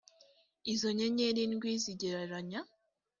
izo nyenyeri ndwi zigereranya